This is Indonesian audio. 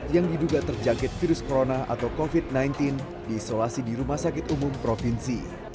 yang diduga terjangkit virus corona atau covid sembilan belas diisolasi di rumah sakit umum provinsi